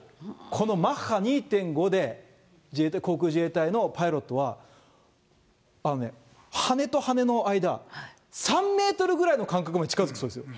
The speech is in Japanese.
このマッハ２．５で、自衛隊、航空自衛隊のパイロットは羽根と羽根の間、３メートルぐらいの間隔まで近づくそうですよ。